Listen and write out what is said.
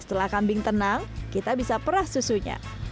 setelah kambing tenang kita bisa perah susunya